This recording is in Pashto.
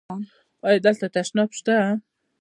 ایا دلته تشناب شته؟